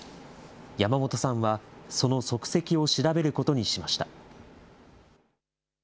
山本さんはその足跡を調べることにしました。